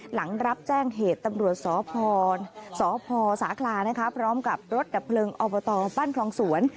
หลังรับแจ้งเหตุตำรวจสพสาคลานะคะพร้อมกับรถดับเพลิงอบตบ้านคลองสวน